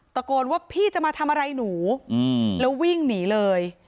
ตะโกนว่าพี่จะมาทำอะไรหนูแล้ววิ่งหนีเลย